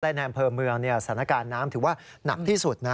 และในอำเภอเมืองสถานการณ์น้ำถือว่าหนักที่สุดนะ